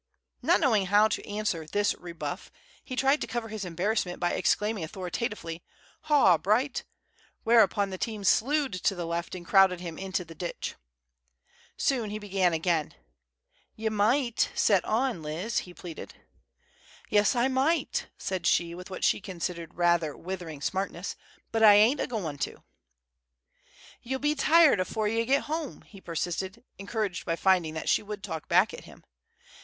Not knowing how to answer this rebuff, he tried to cover his embarrassment by exclaiming authoritatively, "Haw, Bright!" whereupon the team slewed to the left and crowded him into the ditch. Soon he began again. "Ye might set on, Liz," he pleaded. "Yes, I might," said she, with what she considered rather withering smartness; "but I ain't a goin' to." "Ye'll be tired afore ye git home," he persisted, encouraged by finding that she would talk back at him.